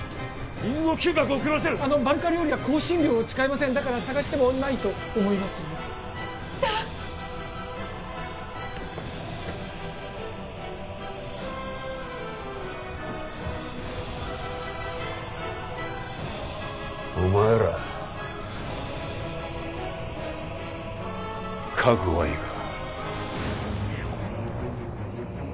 犬の嗅覚を狂わせるあのバルカ料理は香辛料を使いませんだから探してもないと思いますだっお前ら覚悟はいいか？